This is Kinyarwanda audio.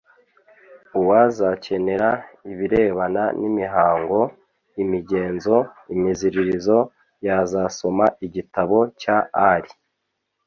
uwazakenera ibirebana n’imihango, imigenzo n’imiziririzo yazasoma igitabo cya ali